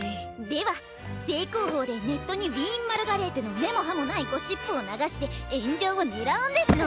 では正攻法でネットにウィーン・マルガレーテの根も葉もないゴシップを流して炎上をねらうんですの！